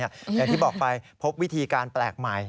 อย่างที่บอกไปพบวิธีการแปลกใหม่